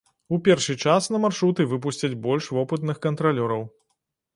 У першы час на маршруты выпусцяць больш вопытных кантралёраў.